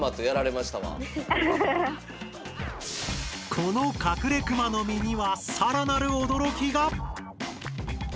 このカクレクマノミにはさらなる驚きが！